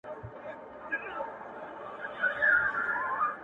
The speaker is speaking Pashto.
د مړونو قدر کم سي چي پردي وطن ته ځینه-